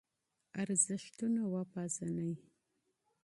ارزښتونه پېژنئ.